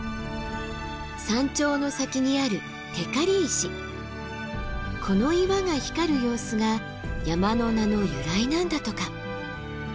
山頂の先にあるこの岩が光る様子が山の名の由来なんだとか。